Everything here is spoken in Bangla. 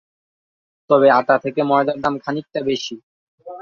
তবে আটা থেকে ময়দার দাম খানিকটা বেশি।